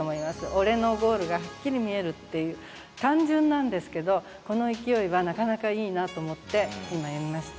「俺のゴールがはっきり見える」っていう単純なんですけどこの勢いはなかなかいいなと思って今読みました。